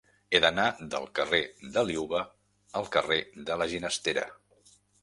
He d'anar del carrer de Liuva al carrer de la Ginestera.